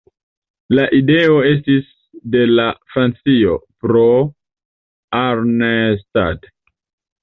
La ideo estis de la frakcio "Pro Arnstadt".